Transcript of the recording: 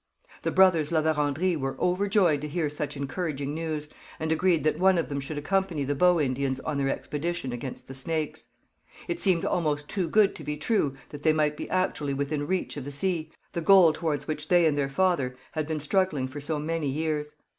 The brothers La Vérendrye were overjoyed to hear such encouraging news, and agreed that one of them should accompany the Bow Indians on their expedition against the Snakes. It seemed almost too good to be true that they might be actually within reach of the sea, the goal towards which they and their father had been struggling for so many years.